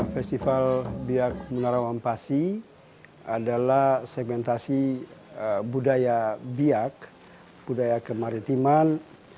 festival biak menara wampasi adalah segmentasi budaya biak budaya kemaritiman